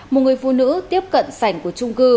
một người phụ nữ tiếp cận sảnh của trung cư